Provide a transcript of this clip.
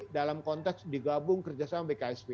nanti dalam konteks digabung kerjasama bekasi